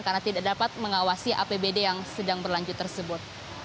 karena tidak dapat mengawasi apbd yang sedang berlanjut tersebut